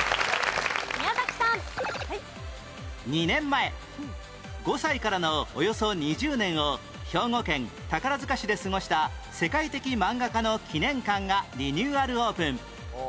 ２年前５歳からのおよそ２０年を兵庫県宝塚市で過ごした世界的漫画家の記念館がリニューアルオープン